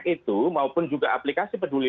itu maupun juga aplikasi peduli